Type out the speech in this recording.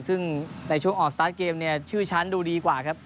ซึ่งในช่วงออกสตาร์ทเกมเนี่ยชื่อฉันดูดีกว่าครับ